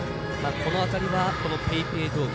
この辺りＰａｙＰａｙドーム